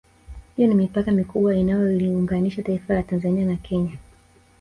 Hiyo ni mipaka mikubwa inayoliunganisha taifa la Tanzania na Kenya